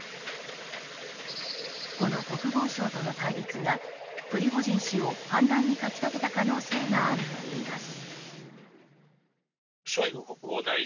この国防省との対立がプリゴジン氏を反乱にかき立てた可能性があるといいます。